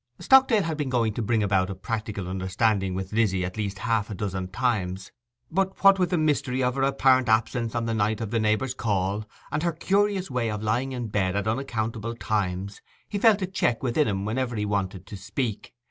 Stockdale had been going to bring about a practical understanding with Lizzy at least half a dozen times; but, what with the mystery of her apparent absence on the night of the neighbour's call, and her curious way of lying in bed at unaccountable times, he felt a check within him whenever he wanted to speak out.